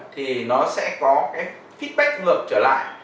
thì nó sẽ có cái feedback ngược trở lại